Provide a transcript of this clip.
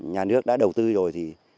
nhà nước đã đầu tư rồi